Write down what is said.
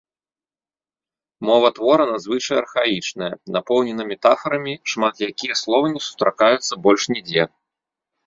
Мова твора надзвычай архаічная, напоўнена метафарамі, шмат якія словы не сустракаюцца больш нідзе.